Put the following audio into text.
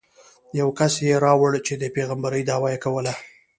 یو کس یې راوړ چې د پېغمبرۍ دعوه یې کوله.